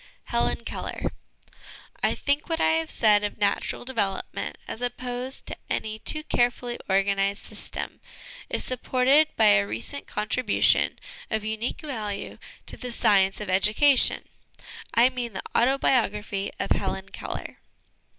Helen Keller. I think what I have said of natural development as opposed to any too carefully organised system is supported by a recent contribution, of unique value, to the science of education I mean the auto biography of Helen Keller.